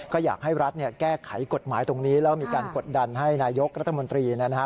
ก็อยากให้รัฐแก้ไขกฎหมายตรงนี้แล้วมีการกดดันให้นายกรัฐมนตรีนะฮะ